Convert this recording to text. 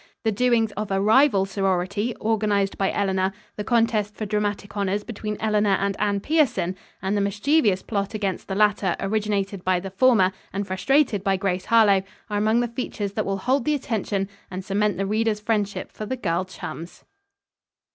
The doings of a rival sorority, organized by Eleanor, the contest for dramatic honors between Eleanor and Anne Pierson and the mischievous plot against the latter originated by the former and frustrated by Grace Harlowe, are among the features that will hold the attention and cement the reader's friendship for the girl chums.